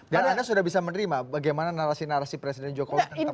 dan anda sudah bisa menerima bagaimana narasi narasi presiden jokowi